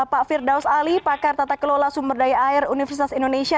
pak firdaus ali pakar tata kelola sumber daya air universitas indonesia